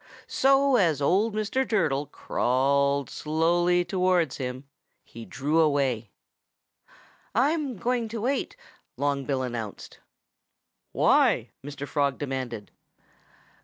So as old Mr. Turtle crawled slowly towards him, he drew away. "I'm going to wait " Long Bill announced. "Why?" Mr. Frog demanded.